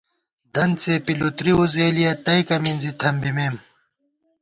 دنت څېپی لُتری وُزېلِیَہ، تئیکہ مِنزی تھمبِمېم